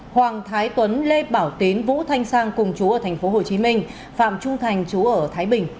hoàng thái tuấn lê bảo tín vũ thanh sang cùng chú ở tp hồ chí minh phạm trung thành chú ở thái bình